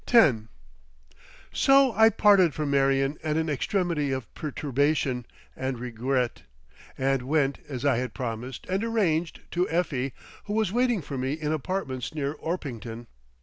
X So I parted from Marion at an extremity of perturbation and regret, and went, as I had promised and arranged, to Effie, who was waiting for me in apartments near Orpington.